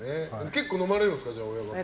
結構飲まれるんですか、親方。